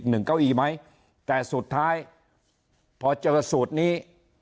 เก้าอี้ไหมแต่สุดท้ายพอเจอสูตรนี้